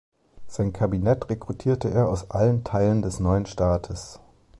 Sein Kabinett rekrutierte er aus allen Teilen des neuen Staates.